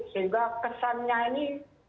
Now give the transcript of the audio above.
sehingga kesannya ini